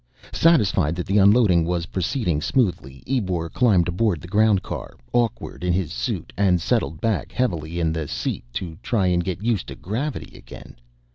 Satisfied that the unloading was proceeding smoothly, Ebor climbed aboard the ground car, awkward in his suit, and settled back heavily in the seat to try to get used to gravity again.